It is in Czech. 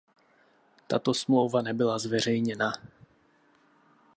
Tato smlouva nebyla zveřejněna.